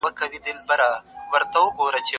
که سوله او ثبات غواړئ، نو د هغوی نظام ته رجوع وکړئ.